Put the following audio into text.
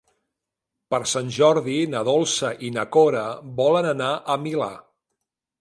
Per Sant Jordi na Dolça i na Cora volen anar al Milà.